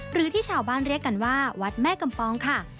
หรือที่ชาวบ้านเรียกกันว่าวัดแม่กำปองค่ะ